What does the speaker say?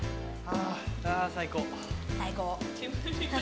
あ最高。